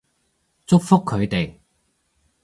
祝福佢哋